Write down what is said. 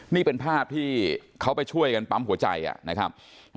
นี่เป็นภาพที่เขาไปช่วยกันปั๊มหัวใจนะครับ